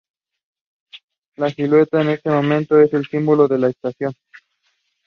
La silueta de este monumento es el símbolo de la estación.